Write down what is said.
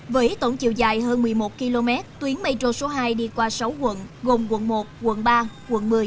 với tổng chiều dài hơn một mươi một km tuyến metro số hai đi qua sáu quận gồm quận một quận ba quận một mươi